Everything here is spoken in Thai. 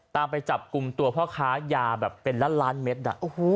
ตามไปจับกลุ่มตัวพ่อค้ายาแบบเป็นล้านล้านเม็ดน่ะโอ้โห